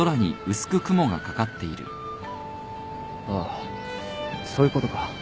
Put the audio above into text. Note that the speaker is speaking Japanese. ああそういうことか。